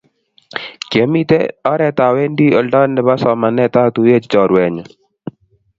Kiamito oret awendi oldo nebo somanet atuyiechi chorwenyu